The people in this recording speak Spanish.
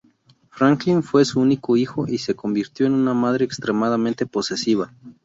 Franklin fue su único hijo, y se convirtió en una madre extremadamente posesiva.